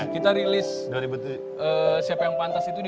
kita rilis siapa yang pantes itu di dua ribu sembilan